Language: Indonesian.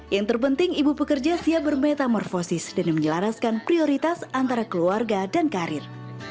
yang terpenting ibu pekerja siap bermetamorfosis dan menyelaraskan prioritas antara keluarga dan karir